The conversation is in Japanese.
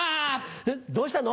どうしたの？